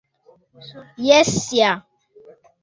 Jes ja...